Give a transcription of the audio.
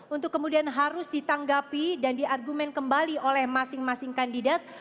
untuk kemudian harus ditanggapi dan diargumen kembali oleh masing masing kandidat